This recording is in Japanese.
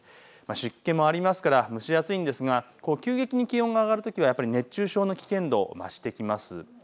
湿気もありますから蒸し暑いんですが急激に気温が上がるときは熱中症の危険度、増してきます。